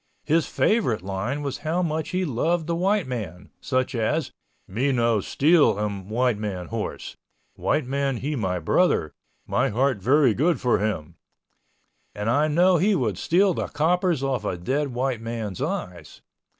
His favorite line was how much he loved the white man, such as, "Me no steal em White Man horse—White Man he my brother—My heart very good for him" (and I know he would steal the coppers off of a dead white man's eyes).